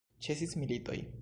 Ĉesis militoj!